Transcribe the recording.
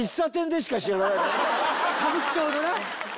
歌舞伎町のな。